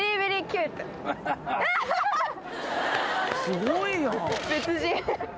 すごいやん！